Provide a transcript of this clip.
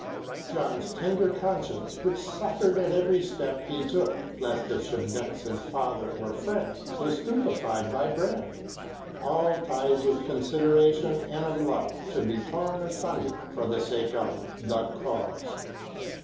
John's tender conscience, which suffered at every step he took lest it should vex his father or friends, was stupefied by Brand. All ties of consideration and of love should be torn asunder for the sake of "the cause."